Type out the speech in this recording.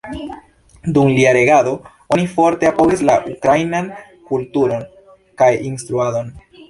Dum lia regado, oni forte apogis la ukrainan kulturon kaj instruadon.